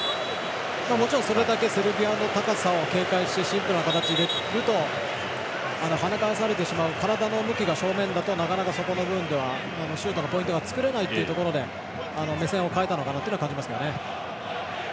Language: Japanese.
それだけセルビアの高さを警戒してシュートの形になると跳ね返されてしまう体の向きが正面だとそういう部分ではシュートのポイントが作れないっていうところで目線を変えたのかなと思います。